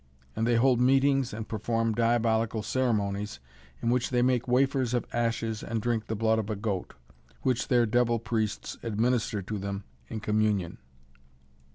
And they hold meetings and perform diabolical ceremonies, in which they make wafers of ashes and drink the blood of a goat, which their devil priests administer to them in communion."